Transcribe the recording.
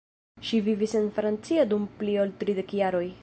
Ŝi vivis en Francio dum pli ol tridek jaroj.